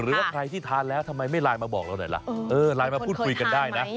หรือว่าใครที่ทานแล้วทำไมไม่ไลน์มาบอกเราหน่อยล่ะเออไลน์มาพูดคุยกันได้นะ